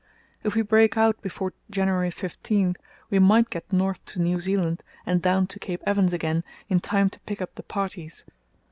If we break out before January 15 we might get north to New Zealand and down to Cape Evans again in time to pick up the parties.